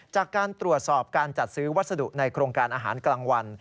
จากการตรวจสอบการจัดซื้อวัสดุในโครงการอาหารกลางวัน